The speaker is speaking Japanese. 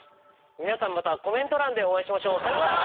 皆さんまたコメント欄でお会いしましょう。さようなら！